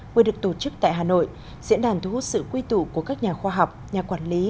vừa được tổ chức tại hà nội diễn đàn thu hút sự quy tụ của các nhà khoa học nhà quản lý